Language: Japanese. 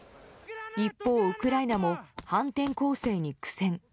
一方、ウクライナも反転攻勢に苦戦。